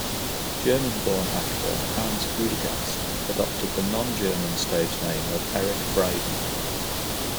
German-born actor Hans Gudegast adopted the non-German stage name of Eric Braeden.